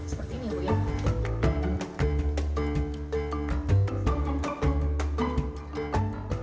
seperti ini bu